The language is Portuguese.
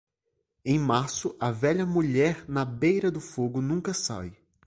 Em março, a velha mulher na beira do fogo nunca sai.